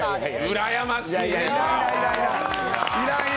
うらやましい！